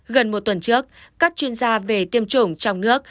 gần một tuần trước các chuyên gia về tiêm chủng trong nước